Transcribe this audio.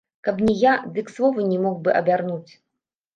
Каб не я, дык слова не мог бы абярнуць.